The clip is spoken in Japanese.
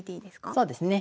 そうですね。